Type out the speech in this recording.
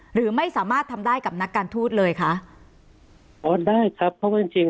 หรือไม่สามารถทำได้กับนักการทูตเลยคะอ๋อได้ครับเพราะว่าจริงจริง